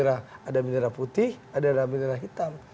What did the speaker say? ada bendera putih ada bendera hitam